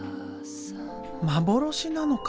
幻なのか？